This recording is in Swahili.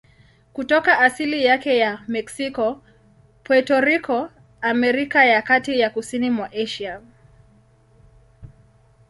Kutoka asili yake ya Meksiko, Puerto Rico, Amerika ya Kati na kusini mwa Asia.